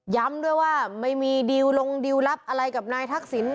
ด้วยว่าไม่มีดิวลงดิวลลับอะไรกับนายทักษิณ